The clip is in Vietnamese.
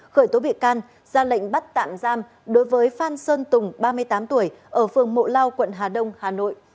khởi tố bị can ra lệnh bắt tạm giam đối với phan sơn tùng ba mươi tám tuổi ở phường mộ lao quận hà đông hà nội